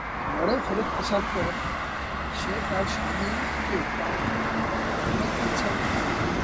ঘরে ফেরত আসার পর সে তার স্বামীকে তার অনেক ইচ্ছার কথা বলে।